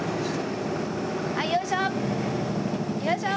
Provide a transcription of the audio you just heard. はいよいしょ！